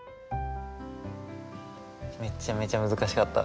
めっちゃめちゃ難しかった。